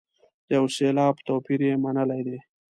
د یو سېلاب توپیر یې منلی دی.